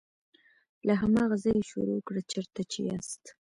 له هماغه ځایه یې شروع کړه چیرته چې یاست.